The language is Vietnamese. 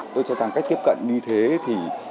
tôi cho rằng cái tiếp cận như thế thì